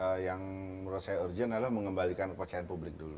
nah yang menurut saya urgent adalah mengembalikan kepercayaan publik dulu